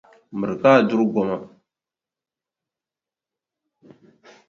Miri ka a duri goma.